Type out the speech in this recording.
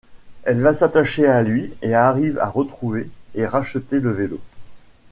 Elle va s'attacher à lui et arrive à retrouver et racheter le vélo.